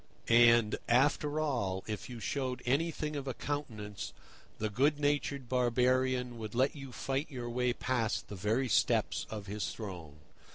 And, after all, if you showed anything of a countenance, the good natured barbarian would let you fight your way past the very steps of his throne.